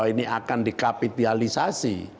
bahwa ini akan dikapitalisasi